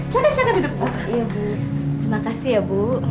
terima kasih ya bu